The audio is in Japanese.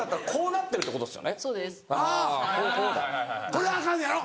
これアカンのやろ？